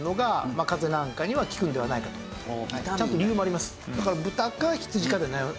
ちゃんと理由もあります。